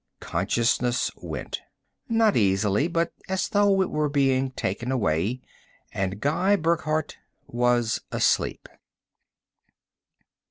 Consciousness went not easily, but as though it were being taken away, and Guy Burckhardt was asleep.